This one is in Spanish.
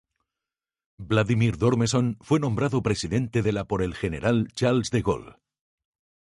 Wladimir d’Ormesson fue nombrado presidente de la por el general Charles de Gaulle.